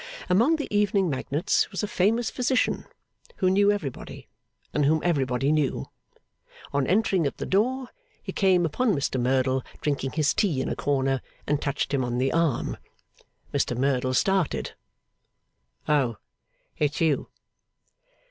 Among the evening magnates was a famous physician, who knew everybody, and whom everybody knew. On entering at the door, he came upon Mr Merdle drinking his tea in a corner, and touched him on the arm. Mr Merdle started. 'Oh! It's you!